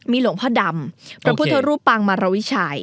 หลวงพ่อดำพระพุทธรูปปางมารวิชัย